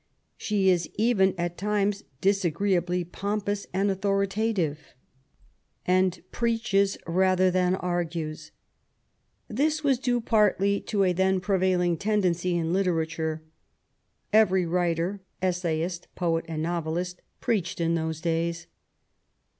She is even at times disagreeably pompous and autbontatixe^^andpreaches rather than argues. This was due partly to al;h^ prevailing tendency in litera ture. Every writer — esis^vist, poet, and novelist — preached in those days.